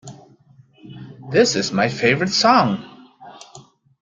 This is my favorite song!